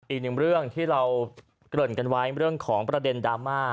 อีกหนึ่งเรื่องที่เราเกริ่นกันไว้เรื่องของประเด็นดราม่า